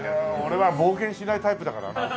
俺は冒険しないタイプだからなあ。